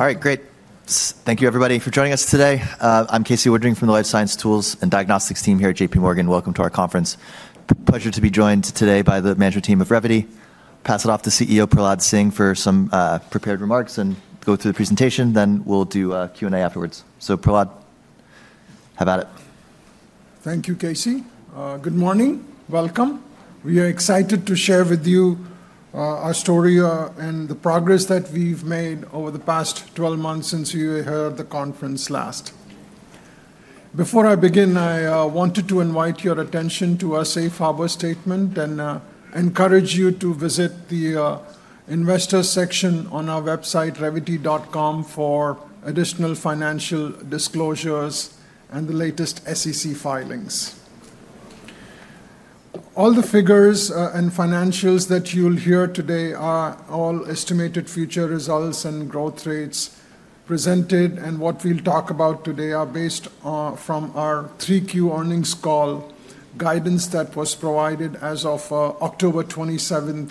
All right, great. Thank you, everybody, for joining us today. I'm Casey Woodring from the Life Science Tools and Diagnostics team here at JPMorgan. Welcome to our conference. Pleasure to be joined today by the management team of Revvity. Pass it off to CEO Prahlad Singh for some prepared remarks and go through the presentation. Then we'll do a Q&A afterwards. So, Prahlad, how about it? Thank you, Casey. Good morning. Welcome. We are excited to share with you our story and the progress that we've made over the past 12 months since we were here at the conference last. Before I begin, I wanted to invite your attention to our safe harbor statement and encourage you to visit the investor section on our website, revvity.com, for additional financial disclosures and the latest SEC filings. All the figures and financials that you'll hear today are all estimated future results and growth rates presented, and what we'll talk about today are based from our Q3 earnings call guidance that was provided as of October 27,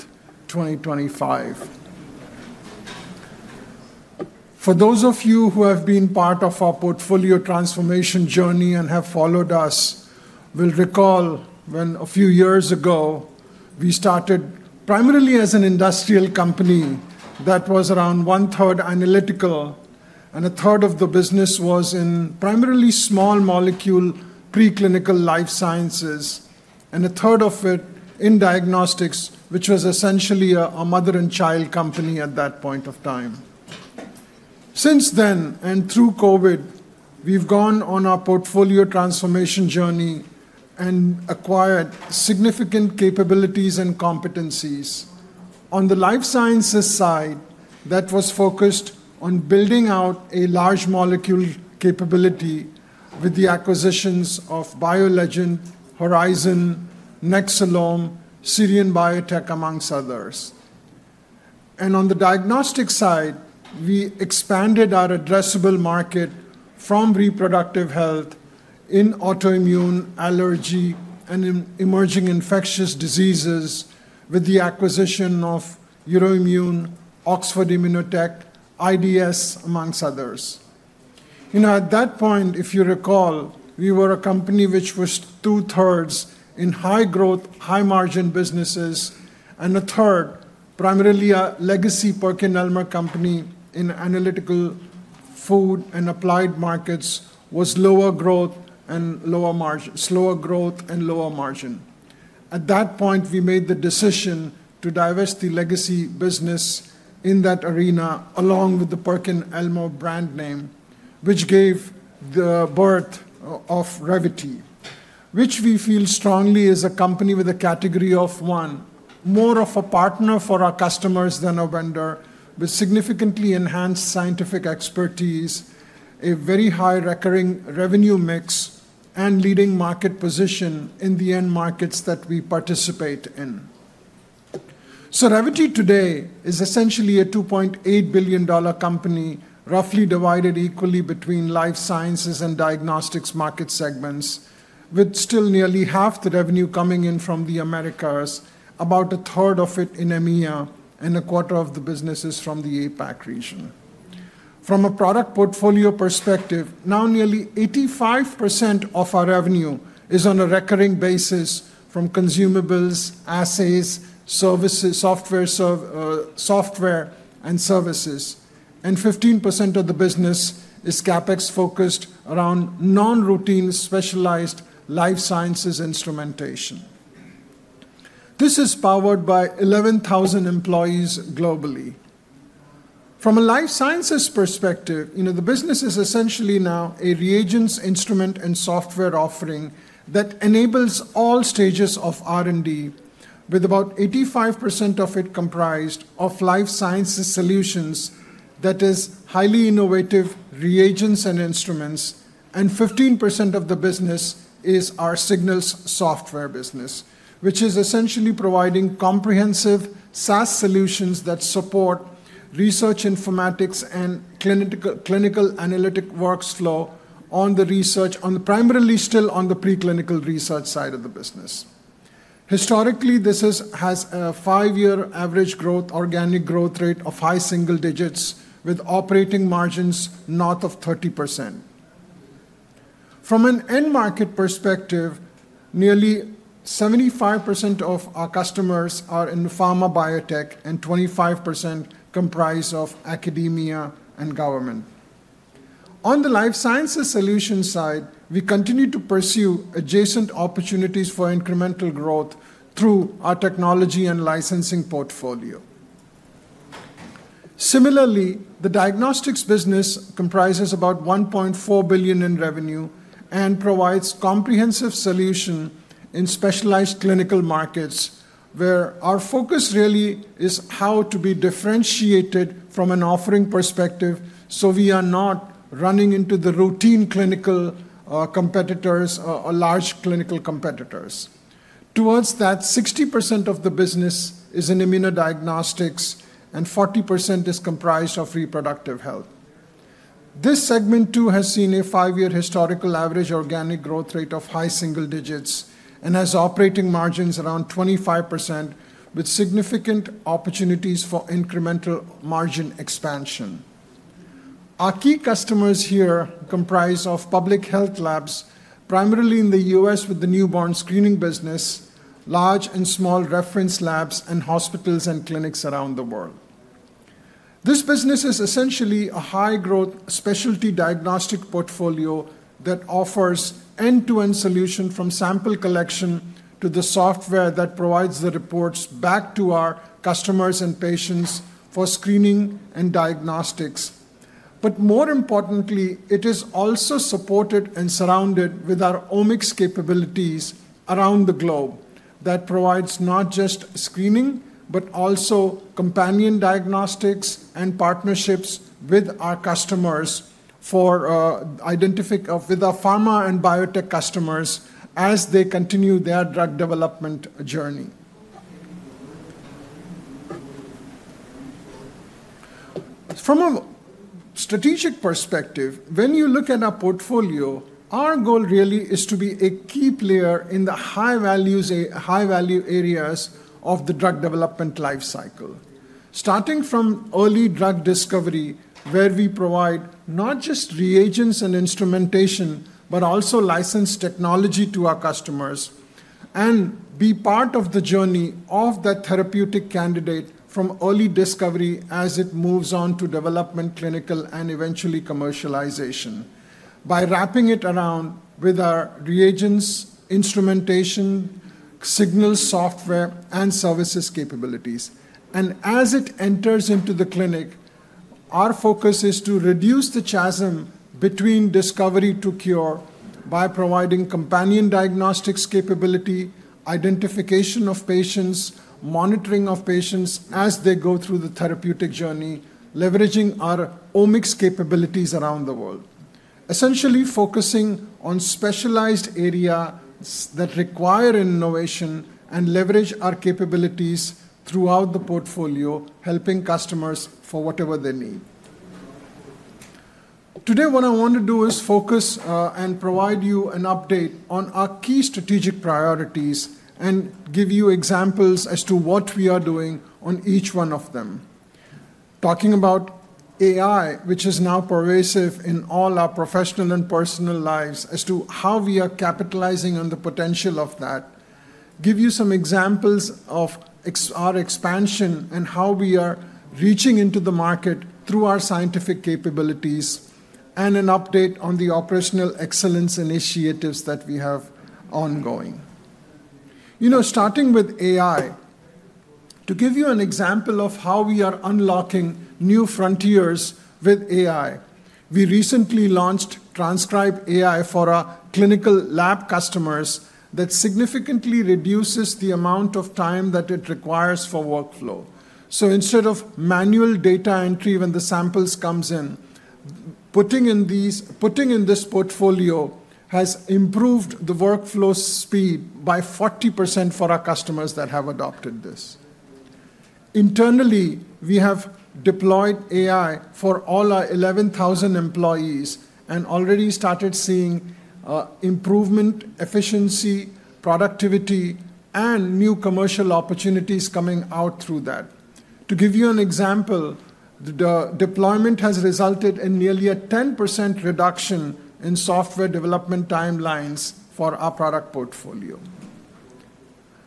2025. For those of you who have been part of our portfolio transformation journey and have followed us, will recall when a few years ago we started primarily as an industrial company that was around one-third analytical, and a third of the business was in primarily small molecule preclinical life sciences, and a third of it in diagnostics, which was essentially a mother and child company at that point of time. Since then, and through COVID, we've gone on our portfolio transformation journey and acquired significant capabilities and competencies. On the life sciences side, that was focused on building out a large molecule capability with the acquisitions of BioLegend, Horizon, Nexcelom, SIRION Biotech, among others, and on the diagnostic side, we expanded our addressable market from reproductive health in autoimmune, allergy, and emerging infectious diseases with the acquisition of Euroimmun, Oxford Immunotec, IDS, among others. At that point, if you recall, we were a company which was two-thirds in high-growth, high-margin businesses, and a third, primarily a legacy PerkinElmer company in analytical, food, and applied markets, was lower growth and lower margin. At that point, we made the decision to divest the legacy business in that arena along with the PerkinElmer brand name, which gave the birth of Revvity, which we feel strongly is a company with a category of one, more of a partner for our customers than a vendor, with significantly enhanced scientific expertise, a very high recurring revenue mix, and leading market position in the end markets that we participate in. Revvity today is essentially a $2.8 billion company, roughly divided equally between life sciences and diagnostics market segments, with still nearly half the revenue coming in from the Americas, about a third of it in EMEA, and a quarter of the business is from the APAC region. From a product portfolio perspective, now nearly 85% of our revenue is on a recurring basis from consumables, assays, services, software, and services, and 15% of the business is CapEx-focused around non-routine specialized life sciences instrumentation. This is powered by 11,000 employees globally. From a life sciences perspective, the business is essentially now a reagents, instrument, and software offering that enables all stages of R&D, with about 85% of it comprised of life sciences solutions, that is, highly innovative reagents and instruments, and 15% of the business is our Signals software business, which is essentially providing comprehensive SaaS solutions that support research informatics and clinical analytic workflow on the research, primarily still on the preclinical research side of the business. Historically, this has a five-year average organic growth rate of high single digits, with operating margins north of 30%. From an end market perspective, nearly 75% of our customers are in pharma biotech, and 25% comprise of academia and government. On the life sciences solution side, we continue to pursue adjacent opportunities for incremental growth through our technology and licensing portfolio. Similarly, the diagnostics business comprises about $1.4 billion in revenue and provides comprehensive solutions in specialized clinical markets, where our focus really is how to be differentiated from an offering perspective, so we are not running into the routine clinical competitors or large clinical competitors. Towards that, 60% of the business is in immunodiagnostics, and 40% is comprised of reproductive health. This segment, too, has seen a five-year historical average organic growth rate of high single digits and has operating margins around 25%, with significant opportunities for incremental margin expansion. Our key customers here comprise of public health labs, primarily in the U.S. with the newborn screening business, large and small reference labs, and hospitals and clinics around the world. This business is essentially a high-growth specialty diagnostic portfolio that offers end-to-end solutions from sample collection to the software that provides the reports back to our customers and patients for screening and diagnostics. But more importantly, it is also supported and surrounded with our omics capabilities around the globe that provides not just screening, but also companion diagnostics and partnerships with our customers with our pharma and biotech customers as they continue their drug development journey. From a strategic perspective, when you look at our portfolio, our goal really is to be a key player in the high-value areas of the drug development life cycle, starting from early drug discovery, where we provide not just reagents and instrumentation, but also licensed technology to our customers and be part of the journey of that therapeutic candidate from early discovery as it moves on to development, clinical, and eventually commercialization by wrapping it around with our reagents, instrumentation, Signals software, and services capabilities, and as it enters into the clinic, our focus is to reduce the chasm between discovery to cure by providing companion diagnostics capability, identification of patients, monitoring of patients as they go through the therapeutic journey, leveraging our omics capabilities around the world, essentially focusing on specialized areas that require innovation and leverage our capabilities throughout the portfolio, helping customers for whatever they need. Today, what I want to do is focus and provide you an update on our key strategic priorities and give you examples as to what we are doing on each one of them. Talking about AI, which is now pervasive in all our professional and personal lives as to how we are capitalizing on the potential of that, give you some examples of our expansion and how we are reaching into the market through our scientific capabilities and an update on the operational excellence initiatives that we have ongoing. Starting with AI, to give you an example of how we are unlocking new frontiers with AI, we recently launched Transcribe AI for our clinical lab customers that significantly reduces the amount of time that it requires for workflow. So instead of manual data entry when the samples come in, putting in this portfolio has improved the workflow speed by 40% for our customers that have adopted this. Internally, we have deployed AI for all our 11,000 employees and already started seeing improvement, efficiency, productivity, and new commercial opportunities coming out through that. To give you an example, the deployment has resulted in nearly a 10% reduction in software development timelines for our product portfolio.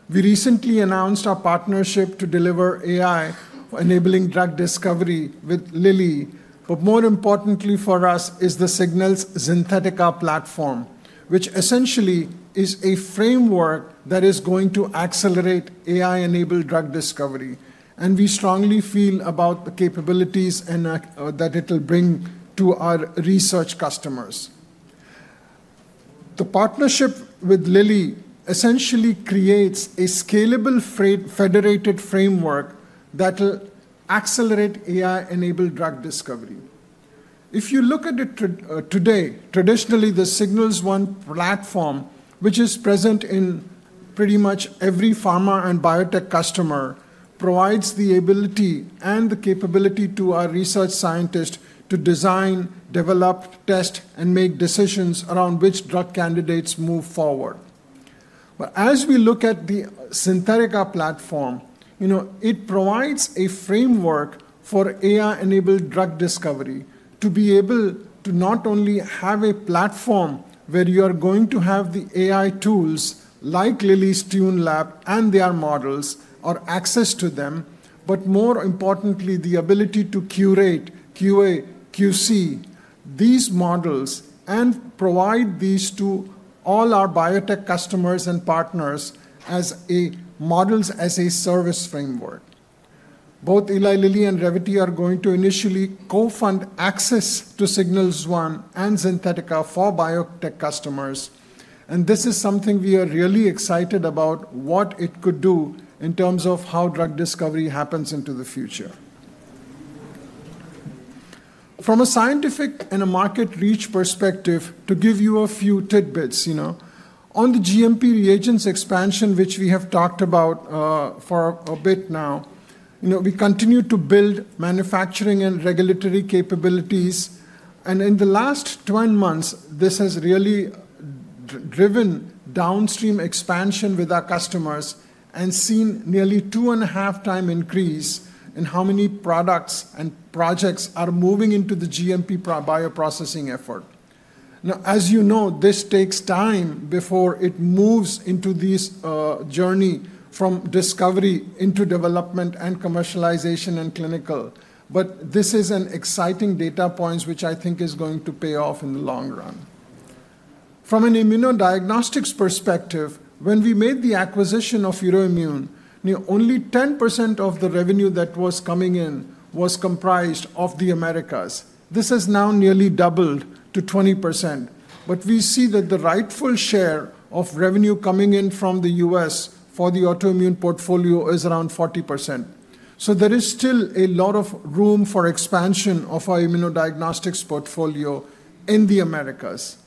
We recently announced our partnership to deliver AI enabling drug discovery with Lilly, but more importantly for us is the Signals Synthetica platform, which essentially is a framework that is going to accelerate AI-enabled drug discovery. And we strongly feel about the capabilities that it'll bring to our research customers. The partnership with Lilly essentially creates a scalable federated framework that will accelerate AI-enabled drug discovery. If you look at it today, traditionally, the Signals One platform, which is present in pretty much every pharma and biotech customer, provides the ability and the capability to our research scientists to design, develop, test, and make decisions around which drug candidates move forward. But as we look at the Synthetica platform, it provides a framework for AI-enabled drug discovery to be able to not only have a platform where you are going to have the AI tools like Lilly's Tune Lab and their models or access to them, but more importantly, the ability to curate, QA, QC these models and provide these to all our biotech customers and partners as a models-as-a-service framework. Both Eli Lilly and Revvity are going to initially co-fund access to Signals One and Synthetica for biotech customers. This is something we are really excited about what it could do in terms of how drug discovery happens into the future. From a scientific and a market reach perspective, to give you a few tidbits, on the GMP reagents expansion, which we have talked about for a bit now, we continue to build manufacturing and regulatory capabilities. In the last 12 months, this has really driven downstream expansion with our customers and seen nearly two-and-a-half-time increase in how many products and projects are moving into the GMP bioprocessing effort. Now, as you know, this takes time before it moves into this journey from discovery into development and commercialization and clinical. This is an exciting data point, which I think is going to pay off in the long run. From an immunodiagnostics perspective, when we made the acquisition of Euroimmun, only 10% of the revenue that was coming in was comprised of the Americas. This has now nearly doubled to 20%, but we see that the rightful share of revenue coming in from the U.S. for the autoimmune portfolio is around 40%, so there is still a lot of room for expansion of our immunodiagnostics portfolio in the Americas.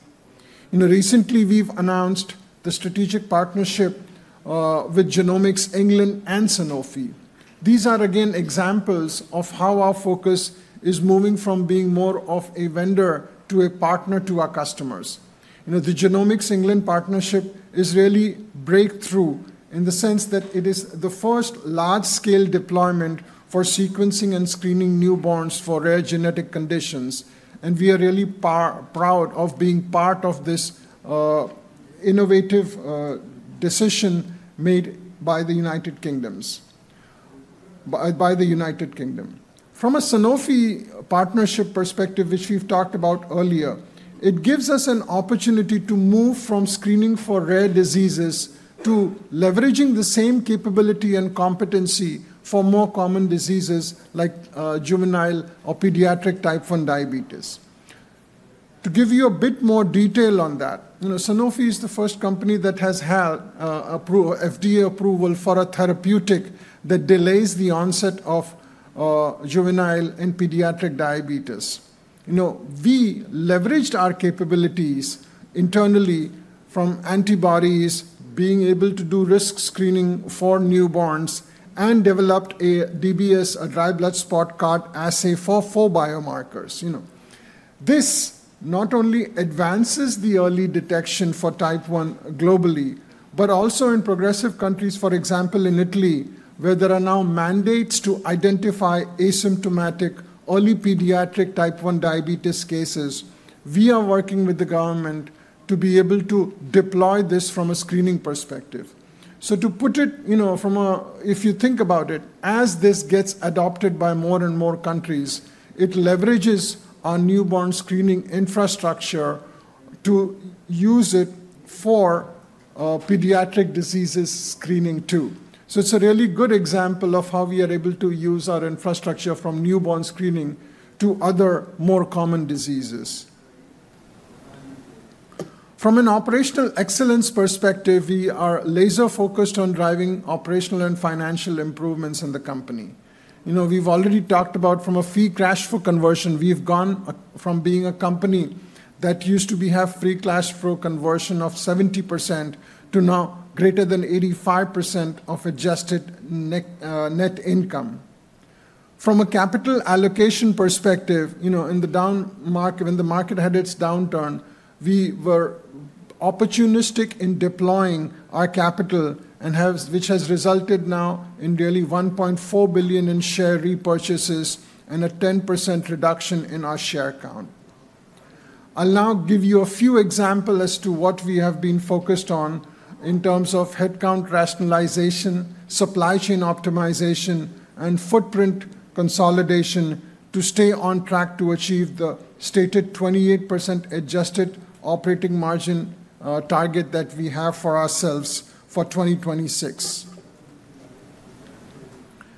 Recently, we've announced the strategic partnership with Genomics England and Sanofi. These are, again, examples of how our focus is moving from being more of a vendor to a partner to our customers. The Genomics England partnership is really breakthrough in the sense that it is the first large-scale deployment for sequencing and screening newborns for rare genetic conditions, and we are really proud of being part of this innovative decision made by the United Kingdom. From a Sanofi partnership perspective, which we've talked about earlier, it gives us an opportunity to move from screening for rare diseases to leveraging the same capability and competency for more common diseases like juvenile or pediatric Type 1 diabetes. To give you a bit more detail on that, Sanofi is the first company that has had FDA approval for a therapeutic that delays the onset of juvenile and pediatric diabetes. We leveraged our capabilities internally from antibodies, being able to do risk screening for newborns, and developed a DBS, a dry blood spot card assay for four biomarkers. This not only advances the early detection for Type 1 globally, but also in progressive countries, for example, in Italy, where there are now mandates to identify asymptomatic early pediatric Type 1 diabetes cases, we are working with the government to be able to deploy this from a screening perspective. So to put it, if you think about it, as this gets adopted by more and more countries, it leverages our newborn screening infrastructure to use it for pediatric diseases screening, too. So it's a really good example of how we are able to use our infrastructure from newborn screening to other more common diseases. From an operational excellence perspective, we are laser-focused on driving operational and financial improvements in the company. We've already talked about from a free cash flow conversion, we've gone from being a company that used to have free cash flow conversion of 70% to now greater than 85% of adjusted net income. From a capital allocation perspective, in the market, when the market had its downturn, we were opportunistic in deploying our capital, which has resulted now in nearly $1.4 billion in share repurchases and a 10% reduction in our share count. I'll now give you a few examples as to what we have been focused on in terms of headcount rationalization, supply chain optimization, and footprint consolidation to stay on track to achieve the stated 28% adjusted operating margin target that we have for ourselves for 2026.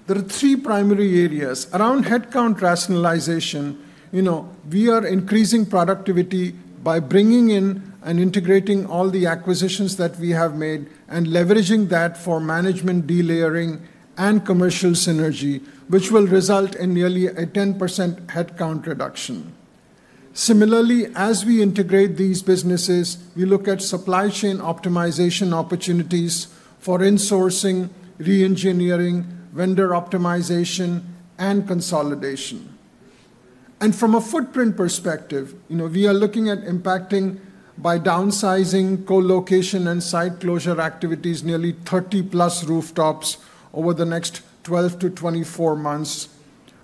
There are three primary areas. Around headcount rationalization, we are increasing productivity by bringing in and integrating all the acquisitions that we have made and leveraging that for management delayering and commercial synergy, which will result in nearly a 10% headcount reduction. Similarly, as we integrate these businesses, we look at supply chain optimization opportunities for insourcing, reengineering, vendor optimization, and consolidation. And from a footprint perspective, we are looking at impacting by downsizing, co-location, and site closure activities, nearly 30-plus rooftops over the next 12-24 months,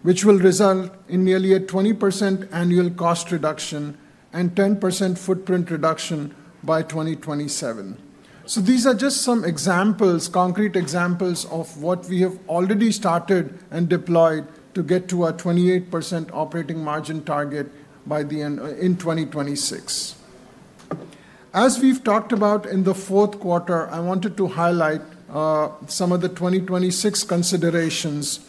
which will result in nearly a 20% annual cost reduction and 10% footprint reduction by 2027. So these are just some examples, concrete examples of what we have already started and deployed to get to our 28% operating margin target by the end in 2026. As we've talked about in the fourth quarter, I wanted to highlight some of the 2026 considerations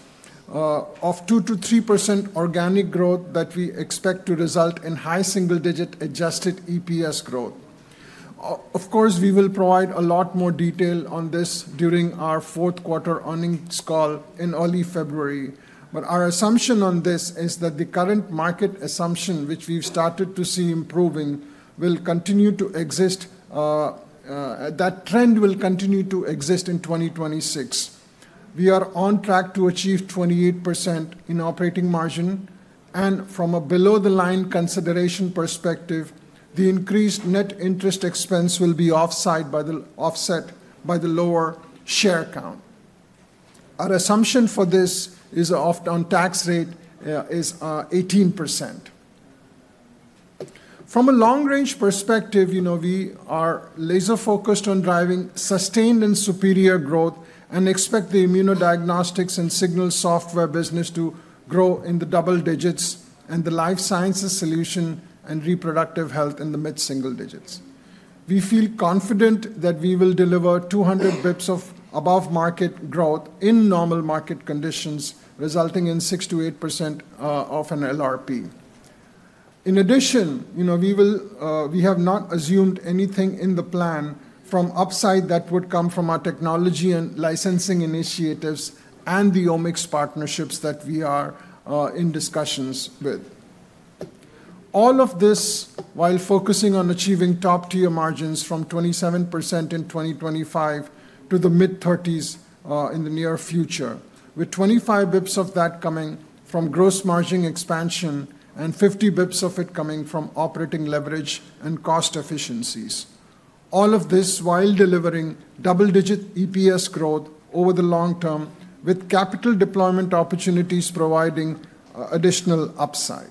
of 2%-3% organic growth that we expect to result in high single-digit adjusted EPS growth. Of course, we will provide a lot more detail on this during our fourth quarter earnings call in early February. But our assumption on this is that the current market assumption, which we've started to see improving, will continue to exist. That trend will continue to exist in 2026. We are on track to achieve 28% in operating margin, and from a below-the-line consideration perspective, the increased net interest expense will be offset by the lower share count. Our assumption for this is our tax rate is 18%. From a long-range perspective, we are laser-focused on driving sustained and superior growth and expect the Immunodiagnostics and Signals Software business to grow in the double digits and the life sciences solutions and reproductive health in the mid-single digits. We feel confident that we will deliver 200 basis points of above-market growth in normal market conditions, resulting in 6%-8% of an LRP. In addition, we have not assumed anything in the plan from upside that would come from our technology and licensing initiatives and the omics partnerships that we are in discussions with. All of this while focusing on achieving top-tier margins from 27% in 2025 to the mid-30s in the near future, with 25 basis points of that coming from gross margin expansion and 50 basis points of it coming from operating leverage and cost efficiencies. All of this while delivering double-digit EPS growth over the long term with capital deployment opportunities providing additional upside.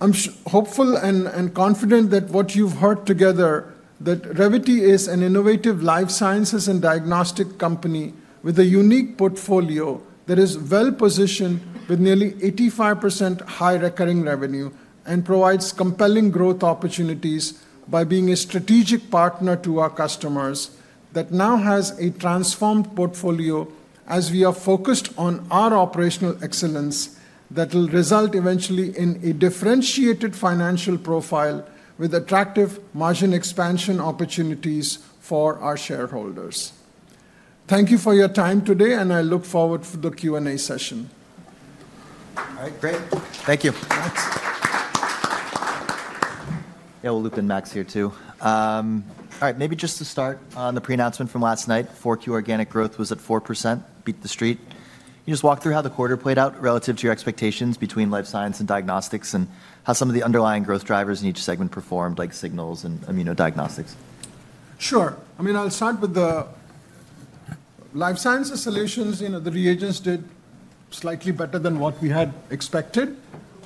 I'm hopeful and confident that what you've heard together, that Revvity is an innovative life sciences and diagnostic company with a unique portfolio that is well-positioned with nearly 85% high recurring revenue and provides compelling growth opportunities by being a strategic partner to our customers that now has a transformed portfolio as we are focused on our operational excellence that will result eventually in a differentiated financial profile with attractive margin expansion opportunities for our shareholders. Thank you for your time today, and I look forward to the Q&A session. All right. Great. Thank you. Yeah, look, Max here, too. All right. Maybe just to start on the pre-announcement from last night, 4Q organic growth was at 4%, beat the street. Can you just walk through how the quarter played out relative to your expectations between life science and diagnostics and how some of the underlying growth drivers in each segment performed, like Signals and immunodiagnostics? Sure. I mean, I'll start with the life sciences solutions. The reagents did slightly better than what we had expected.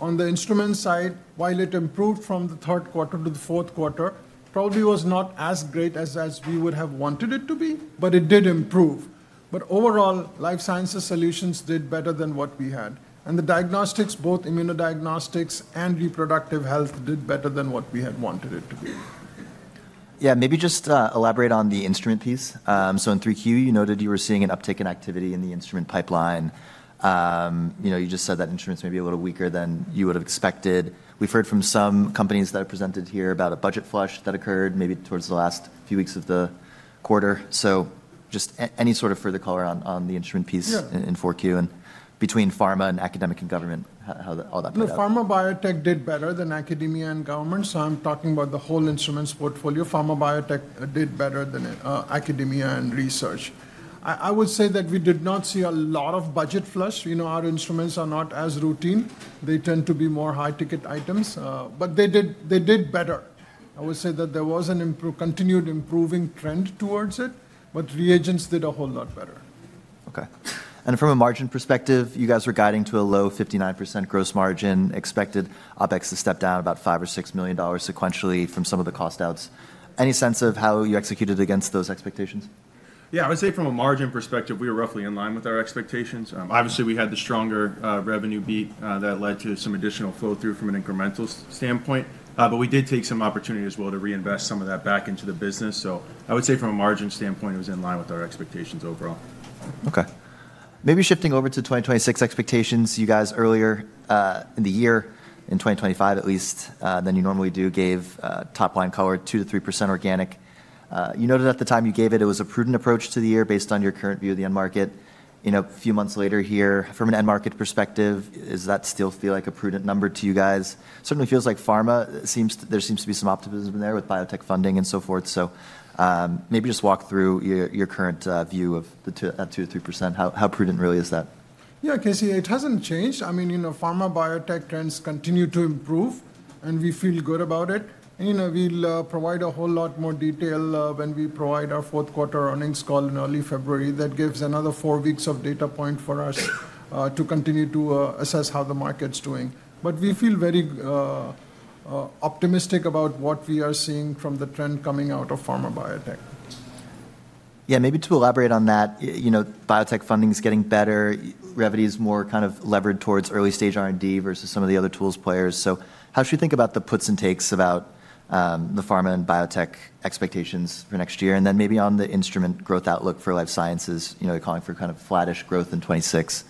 On the instrument side, while it improved from the third quarter to the fourth quarter, probably was not as great as we would have wanted it to be, but it did improve. But overall, life sciences solutions did better than what we had. And the diagnostics, both immunodiagnostics and reproductive health, did better than what we had wanted it to be. Yeah. Maybe just elaborate on the instrument piece. So in 3Q, you noted you were seeing an uptick in activity in the instrument pipeline. You just said that instruments may be a little weaker than you would have expected. We've heard from some companies that are presented here about a budget flush that occurred maybe towards the last few weeks of the quarter. So just any sort of further color on the instrument piece in 4Q and between pharma and academic and government, how all that played out. Pharma biotech did better than academia and government. So I'm talking about the whole instruments portfolio. Pharma biotech did better than academia and research. I would say that we did not see a lot of budget flush. Our instruments are not as routine. They tend to be more high-ticket items. But they did better. I would say that there was a continued improving trend towards it, but reagents did a whole lot better. Okay. And from a margin perspective, you guys were guiding to a low 59% gross margin, expected OpEx to step down about $5 or $6 million sequentially from some of the cost outs. Any sense of how you executed against those expectations? Yeah. I would say from a margin perspective, we were roughly in line with our expectations. Obviously, we had the stronger revenue beat that led to some additional flow through from an incremental standpoint. But we did take some opportunity as well to reinvest some of that back into the business. So I would say from a margin standpoint, it was in line with our expectations overall. Okay. Maybe shifting over to 2026 expectations, you guys earlier in the year, in 2025 at least, than you normally do, gave top-line color 2%-3% organic. You noted at the time you gave it, it was a prudent approach to the year based on your current view of the end market. A few months later here, from an end market perspective, does that still feel like a prudent number to you guys? Certainly feels like pharma. There seems to be some optimism there with biotech funding and so forth. So maybe just walk through your current view of the 2%-3%. How prudent really is that? Yeah, Casey, it hasn't changed. I mean, pharma biotech trends continue to improve, and we feel good about it. We'll provide a whole lot more detail when we provide our fourth quarter earnings call in early February. That gives another four weeks of data point for us to continue to assess how the market's doing. But we feel very optimistic about what we are seeing from the trend coming out of pharma biotech. Yeah. Maybe to elaborate on that, biotech funding is getting better. Revvity is more kind of levered towards early-stage R&D versus some of the other tools players. So how should you think about the puts and takes about the pharma and biotech expectations for next year? And then maybe on the instrument growth outlook for life sciences, you're calling for kind of flattish growth in 2026.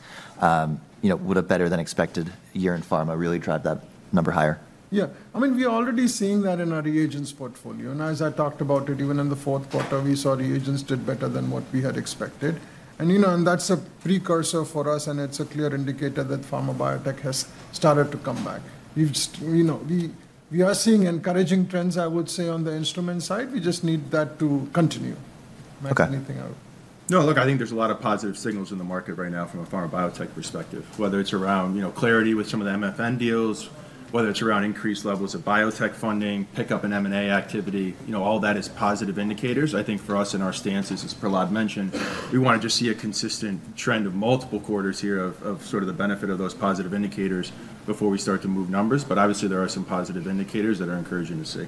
Would a better-than-expected year in pharma really drive that number higher? Yeah. I mean, we are already seeing that in our reagents portfolio. And as I talked about it, even in the fourth quarter, we saw reagents did better than what we had expected. And that's a precursor for us, and it's a clear indicator that pharma biotech has started to come back. We are seeing encouraging trends, I would say, on the instrument side. We just need that to continue. Okay. No, look, I think there's a lot of positive signals in the market right now from a pharma biotech perspective, whether it's around clarity with some of the MFN deals, whether it's around increased levels of biotech funding, pickup in M&A activity. All that is positive indicators. I think for us and our stances, as Prahlad mentioned, we want to just see a consistent trend of multiple quarters here of sort of the benefit of those positive indicators before we start to move numbers. But obviously, there are some positive indicators that are encouraging to see.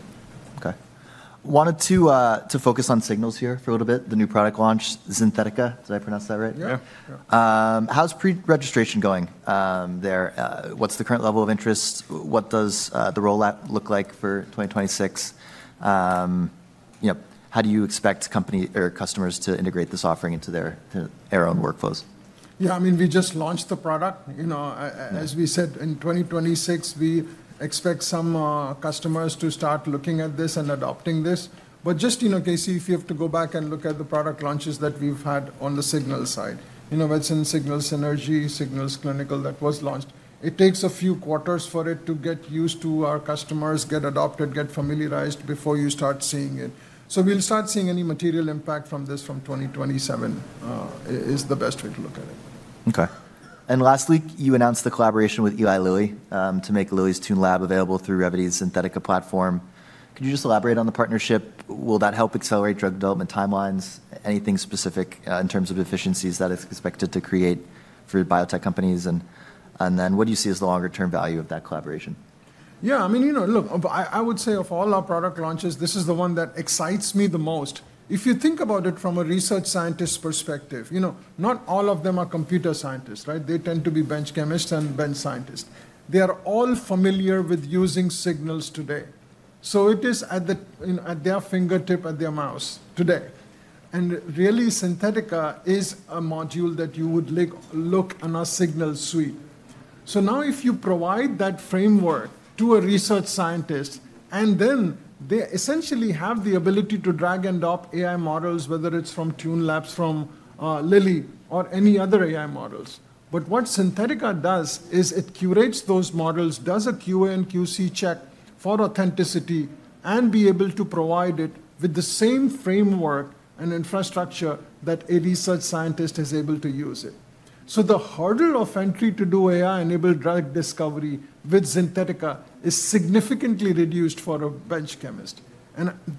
Okay. Wanted to focus on Signals here for a little bit, the new product launch, Synthetica. Did I pronounce that right? Yeah. How's pre-registration going there? What's the current level of interest? What does the rollout look like for 2026? How do you expect customers to integrate this offering into their own workflows? Yeah. I mean, we just launched the product. As we said, in 2026, we expect some customers to start looking at this and adopting this. But just, Casey, if you have to go back and look at the product launches that we've had on the Signals side, that's in Signals Synergy, Signals Clinical that was launched. It takes a few quarters for it to get used to, our customers get adopted, get familiarized before you start seeing it. So we'll start seeing any material impact from this from 2027 is the best way to look at it. Okay. And lastly, you announced the collaboration with Eli Lilly to make Lilly's Tune Lab available through Revvity's Signals Synthetica platform. Could you just elaborate on the partnership? Will that help accelerate drug development timelines? Anything specific in terms of efficiencies that are expected to create for biotech companies? And then what do you see as the longer-term value of that collaboration? Yeah. I mean, look, I would say of all our product launches, this is the one that excites me the most. If you think about it from a research scientist perspective, not all of them are computer scientists, right? They tend to be bench chemists and bench scientists. They are all familiar with using Signals today. So it is at their fingertip, at their mouse today. And really, Synthetica is a module that you would look on a Signals suite. So now if you provide that framework to a research scientist, and then they essentially have the ability to drag and drop AI models, whether it's from Tune Lab, from Lilly, or any other AI models. What Signals Synthetica does is it curates those models, does a QA and QC check for authenticity, and be able to provide it with the same framework and infrastructure that a research scientist is able to use it. The hurdle of entry to do AI-enabled drug discovery with Signals Synthetica is significantly reduced for a bench chemist.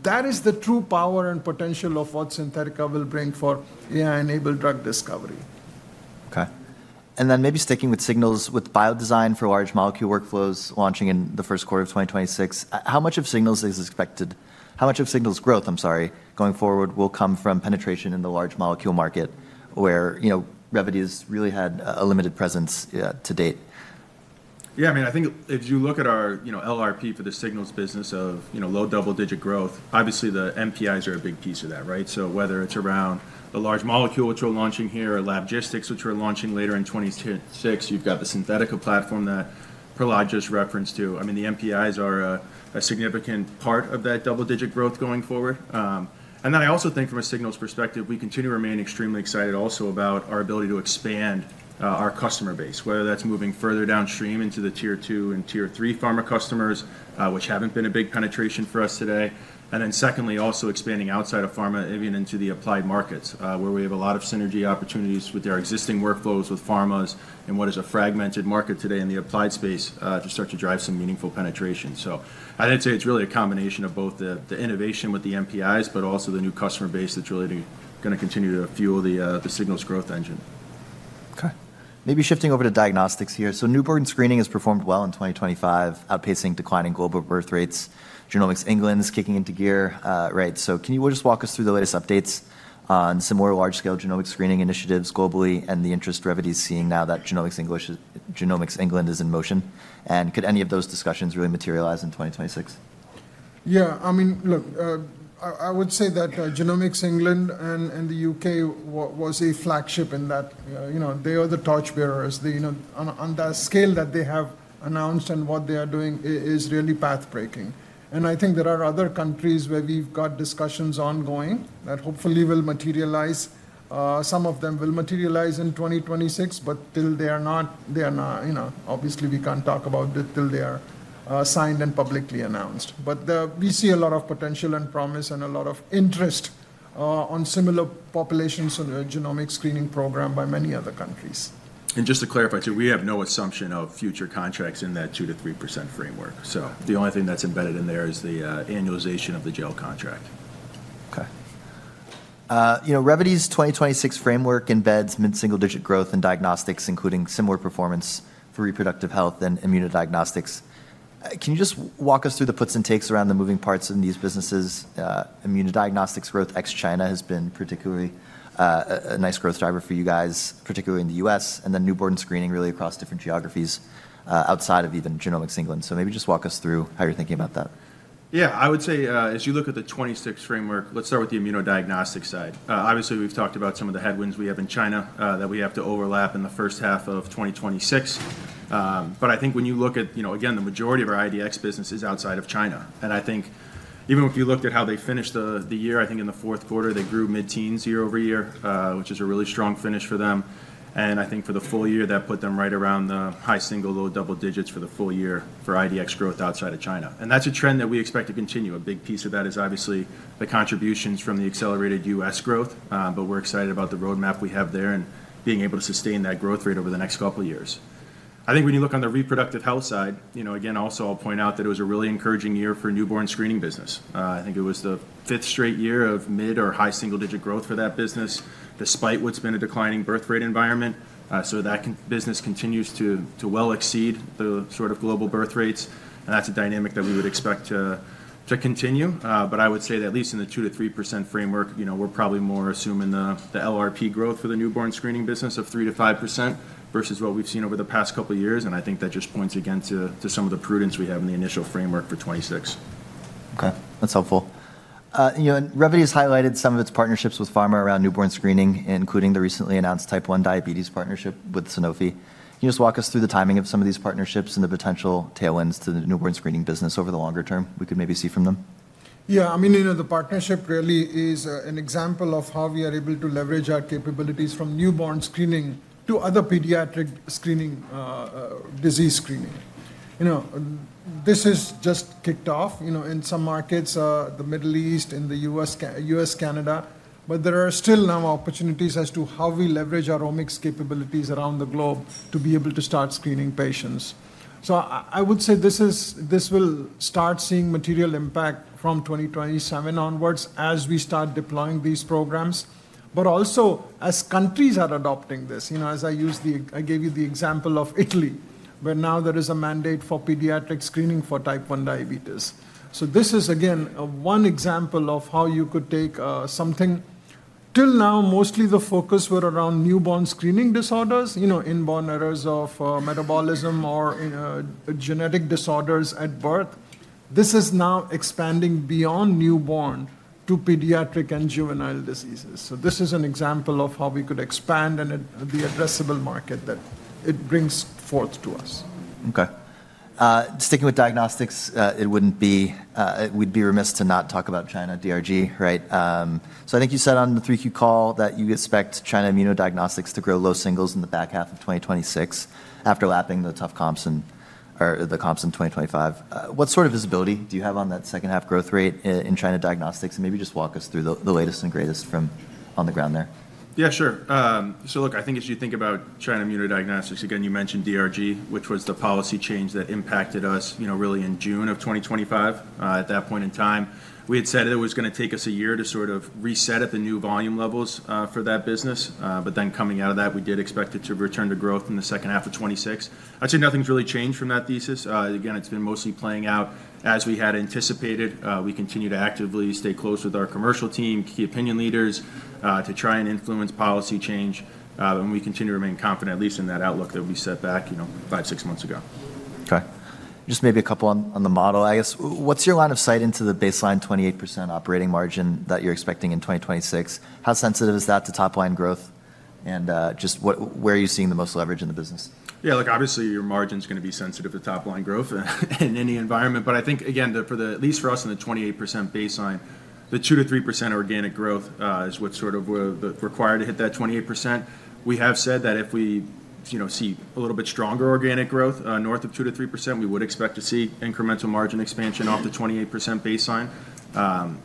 That is the true power and potential of what Signals Synthetica will bring for AI-enabled drug discovery. Okay. And then maybe sticking with Signals with BioDesign for large molecule workflows launching in the first quarter of 2026, how much of Signals is expected? How much of Signals growth, I'm sorry, going forward will come from penetration in the large molecule market where Revvity has really had a limited presence to date? Yeah. I mean, I think if you look at our LRP for the Signals business of low double-digit growth, obviously the NPIs are a big piece of that, right? So whether it's around the large molecule which we're launching here or Lab Logistics which we're launching later in 2026, you've got the Synthetica platform that Prahlad just referenced, too. I mean, the NPIs are a significant part of that double-digit growth going forward. And then I also think from a Signals perspective, we continue to remain extremely excited also about our ability to expand our customer base, whether that's moving further downstream into the tier two and tier three pharma customers, which haven't been a big penetration for us today. And then, secondly, also expanding outside of pharma, even into the applied markets where we have a lot of synergy opportunities with our existing workflows with pharmas and what is a fragmented market today in the applied space to start to drive some meaningful penetration. So I'd say it's really a combination of both the innovation with the NPIs, but also the new customer base that's really going to continue to fuel the Signals growth engine. Okay. Maybe shifting over to diagnostics here. So newborn screening has performed well in 2025, outpacing declining global birth rates. Genomics England is kicking into gear, right? So can you just walk us through the latest updates on some more large-scale genomic screening initiatives globally and the interest Revvity is seeing now that Genomics England is in motion? And could any of those discussions really materialize in 2026? Yeah. I mean, look, I would say that Genomics England and the U.K. was a flagship in that they are the torchbearers. On the scale that they have announced and what they are doing is really pathbreaking. And I think there are other countries where we've got discussions ongoing that hopefully will materialize. Some of them will materialize in 2026, but they are not obviously we can't talk about it till they are signed and publicly announced. But we see a lot of potential and promise and a lot of interest on similar populations and genomic screening program by many other countries. Just to clarify, too, we have no assumption of future contracts in that 2%-3% framework. The only thing that's embedded in there is the annualization of the GEL contract. Okay. Revvity's 2026 framework embeds mid-single-digit growth in diagnostics, including similar performance for reproductive health and immunodiagnostics. Can you just walk us through the puts and takes around the moving parts in these businesses? Immunodiagnostics growth ex China has been particularly a nice growth driver for you guys, particularly in the U.S., and then newborn screening really across different geographies outside of even Genomics England. So maybe just walk us through how you're thinking about that? Yeah. I would say as you look at the 2026 framework, let's start with the immunodiagnostics side. Obviously, we've talked about some of the headwinds we have in China that we have to overlap in the first half of 2026. But I think when you look at, again, the majority of our IDX business is outside of China. And I think even if you looked at how they finished the year, I think in the fourth quarter, they grew mid-teens year-over-year, which is a really strong finish for them. And I think for the full year, that put them right around the high single, low double digits for the full year for IDX growth outside of China. And that's a trend that we expect to continue. A big piece of that is obviously the contributions from the accelerated U.S. growth. We're excited about the roadmap we have there and being able to sustain that growth rate over the next couple of years. I think when you look on the reproductive health side, again, also I'll point out that it was a really encouraging year for newborn screening business. I think it was the fifth straight year of mid or high single-digit growth for that business despite what's been a declining birth rate environment. So that business continues to well exceed the sort of global birth rates. And that's a dynamic that we would expect to continue. I would say that at least in the 2%-3% framework, we're probably more assuming the LRP growth for the newborn screening business of 3%-5% versus what we've seen over the past couple of years. I think that just points again to some of the prudence we have in the initial framework for 2026. Okay. That's helpful. Revvity has highlighted some of its partnerships with pharma around Newborn Screening, including the recently announced Type 1 Diabetes partnership with Sanofi. Can you just walk us through the timing of some of these partnerships and the potential tailwinds to the Newborn Screening business over the longer term we could maybe see from them? Yeah. I mean, the partnership really is an example of how we are able to leverage our capabilities from newborn screening to other pediatric disease screening. This has just kicked off in some markets, the Middle East, in the U.S., Canada, but there are still now opportunities as to how we leverage our omics capabilities around the globe to be able to start screening patients, so I would say this will start seeing material impact from 2027 onwards as we start deploying these programs, but also as countries are adopting this. As I gave you the example of Italy, where now there is a mandate for pediatric screening for Type 1 diabetes, so this is, again, one example of how you could take something till now mostly the focus were around newborn screening disorders, inborn errors of metabolism or genetic disorders at birth. This is now expanding beyond newborn to pediatric and juvenile diseases, so this is an example of how we could expand and be an addressable market that it brings forth to us. Okay. Sticking with diagnostics, it would be remiss to not talk about China, DRG, right? So I think you said on the 3Q call that you expect China immunodiagnostics to grow low singles in the back half of 2026 after lapping the tough comps in 2025. What sort of visibility do you have on that second-half growth rate in China diagnostics? And maybe just walk us through the latest and greatest from on the ground there. Yeah, sure. So look, I think as you think about China immunodiagnostics, again, you mentioned DRG, which was the policy change that impacted us really in June of 2025. At that point in time, we had said it was going to take us a year to sort of reset at the new volume levels for that business. But then coming out of that, we did expect it to return to growth in the second half of 2026. I'd say nothing's really changed from that thesis. Again, it's been mostly playing out as we had anticipated. We continue to actively stay close with our commercial team, key opinion leaders to try and influence policy change. And we continue to remain confident, at least in that outlook that we set back five, six months ago. Okay. Just maybe a couple on the model, I guess. What's your line of sight into the baseline 28% operating margin that you're expecting in 2026? How sensitive is that to top-line growth? And just where are you seeing the most leverage in the business? Yeah. Look, obviously, your margin's going to be sensitive to top-line growth in any environment. But I think, again, at least for us in the 28% baseline, the 2%-3% organic growth is what's sort of required to hit that 28%. We have said that if we see a little bit stronger organic growth north of 2%-3%, we would expect to see incremental margin expansion off the 28% baseline.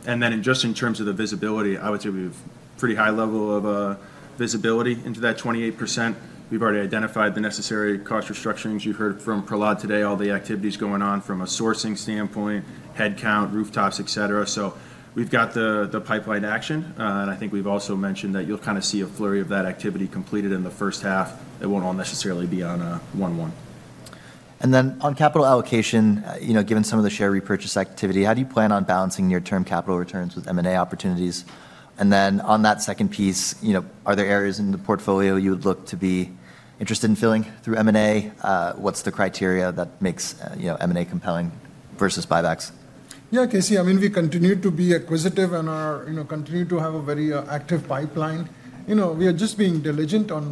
And then just in terms of the visibility, I would say we have a pretty high level of visibility into that 28%. We've already identified the necessary cost restructurings. You heard from Prahlad today, all the activities going on from a sourcing standpoint, headcount, rooftops, etc. So we've got the pipeline action. And I think we've also mentioned that you'll kind of see a flurry of that activity completed in the first half. It won't all necessarily be on one. And then on capital allocation, given some of the share repurchase activity, how do you plan on balancing near-term capital returns with M&A opportunities? And then on that second piece, are there areas in the portfolio you would look to be interested in filling through M&A? What's the criteria that makes M&A compelling versus buybacks? Yeah, Casey, I mean, we continue to be acquisitive and continue to have a very active pipeline. We are just being diligent on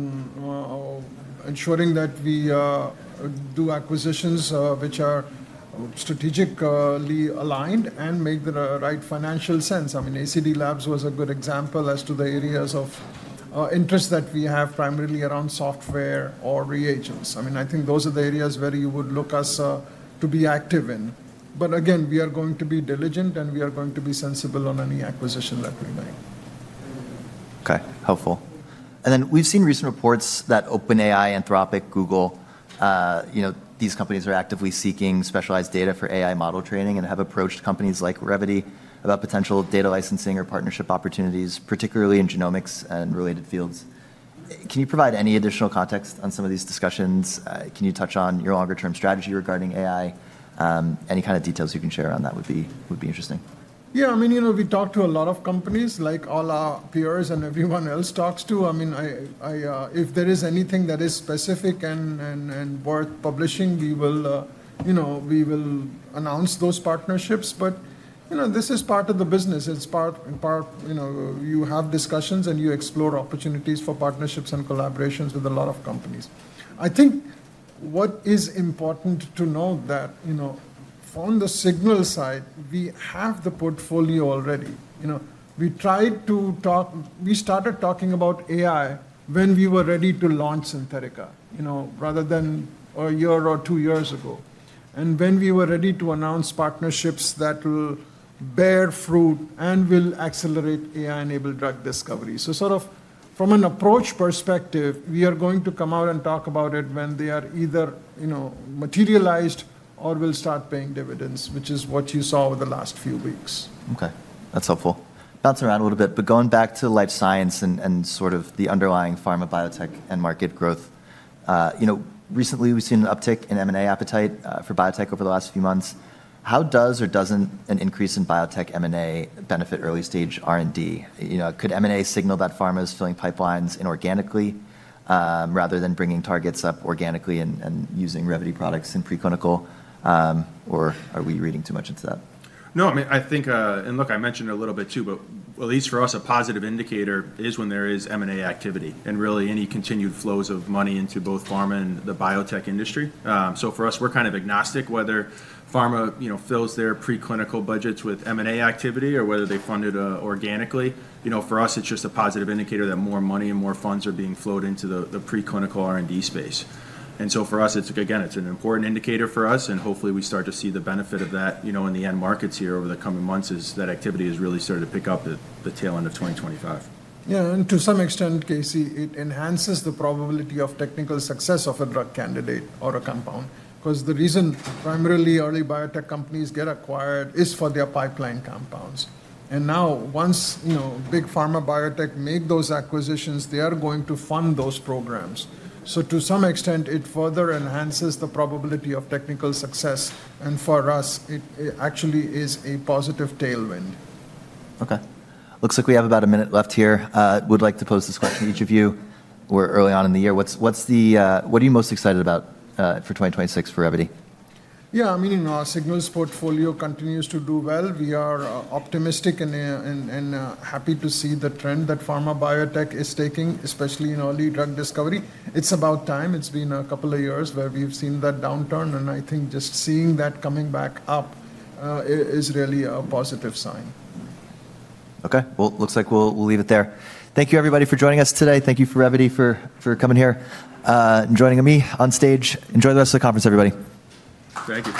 ensuring that we do acquisitions which are strategically aligned and make the right financial sense. I mean, ACD/Labs was a good example as to the areas of interest that we have primarily around software or reagents. I mean, I think those are the areas where you would look us to be active in. But again, we are going to be diligent and we are going to be sensible on any acquisition that we make. Okay. Helpful. And then we've seen recent reports that OpenAI, Anthropic, Google, these companies are actively seeking specialized data for AI model training and have approached companies like Revvity about potential data licensing or partnership opportunities, particularly in genomics and related fields. Can you provide any additional context on some of these discussions? Can you touch on your longer-term strategy regarding AI? Any kind of details you can share on that would be interesting. Yeah. I mean, we talk to a lot of companies like all our peers and everyone else talks to. I mean, if there is anything that is specific and worth publishing, we will announce those partnerships. But this is part of the business. You have discussions and you explore opportunities for partnerships and collaborations with a lot of companies. I think what is important to know that on the Signals side, we have the portfolio already. We started talking about AI when we were ready to launch Synthetica rather than a year or two years ago and when we were ready to announce partnerships that will bear fruit and will accelerate AI-enabled drug discovery. So sort of from an approach perspective, we are going to come out and talk about it when they are either materialized or will start paying dividends, which is what you saw over the last few weeks. Okay. That's helpful. Bouncing around a little bit, but going back to life science and sort of the underlying pharma biotech and market growth, recently we've seen an uptick in M&A appetite for biotech over the last few months. How does or doesn't an increase in biotech M&A benefit early-stage R&D? Could M&A signal that pharma is filling pipelines inorganically rather than bringing targets up organically and using Revvity products in preclinical? Or are we reading too much into that? No. I mean, I think and look, I mentioned a little bit too, but at least for us, a positive indicator is when there is M&A activity and really any continued flows of money into both pharma and the biotech industry. So for us, we're kind of agnostic whether pharma fills their preclinical budgets with M&A activity or whether they fund it organically. For us, it's just a positive indicator that more money and more funds are being flowed into the preclinical R&D space. And so for us, again, it's an important indicator for us. And hopefully, we start to see the benefit of that in the end markets here over the coming months as that activity has really started to pick up at the tail end of 2025. Yeah. And to some extent, Casey, it enhances the probability of technical success of a drug candidate or a compound. Because the reason primarily early biotech companies get acquired is for their pipeline compounds. And now, once big pharma biotech make those acquisitions, they are going to fund those programs. So to some extent, it further enhances the probability of technical success. And for us, it actually is a positive tailwind. Okay. Looks like we have about a minute left here. Would like to pose this question to each of you. We're early on in the year. What are you most excited about for 2026 for Revvity? Yeah. I mean, our Signals portfolio continues to do well. We are optimistic and happy to see the trend that pharma biotech is taking, especially in early drug discovery. It's about time. It's been a couple of years where we've seen that downturn. And I think just seeing that coming back up is really a positive sign. Okay. Well, it looks like we'll leave it there. Thank you, everybody, for joining us today. Thank you for Revvity for coming here and joining me on stage. Enjoy the rest of the conference, everybody. Thank you.